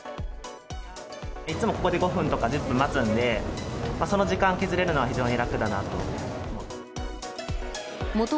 いつもここで、５分とか１０分待つんで、その時間削れるのは非常に楽だなと。